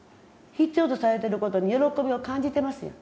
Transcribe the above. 必要とされてることに喜びを感じてますよ。